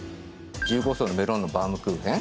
１５層のメロンのバウムクーヘン